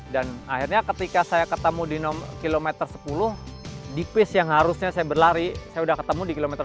dan akhirnya ketika saya ketemu di kilometer sepuluh di pace yang harusnya saya berlari saya udah ketemu di kilometer sepuluh